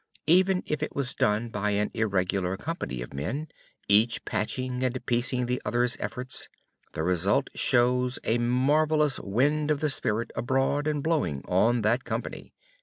Even if it was done by an irregular company of men, each patching and piecing the other's efforts, the result shows a marvelous 'wind of the spirit' abroad and blowing on that company."